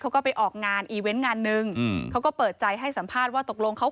เขาก็ไปออกงานอีเวนต์งานหนึ่งอืมเขาก็เปิดใจให้สัมภาษณ์ว่าตกลงเขา